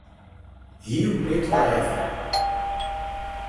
Rio Preto da Eva